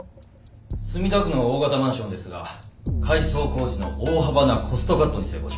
墨田区の大型マンションですが改装工事の大幅なコストカットに成功しました。